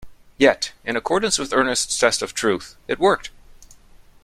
Yet, in accordance with Ernest's test of truth, it worked.